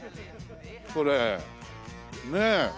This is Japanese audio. これねえ。